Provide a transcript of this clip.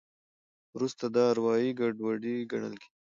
وروسته دا اروایي ګډوډي ګڼل کېږي.